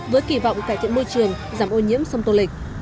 với kỳ vọng cải thiện môi trường giảm ô nhiễm sông tô lịch